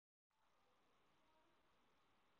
پوهه د درک رڼا زیاتوي.